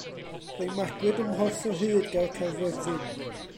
Fe'i magwyd ym Mhorthyrhyd ger Caerfyrddin.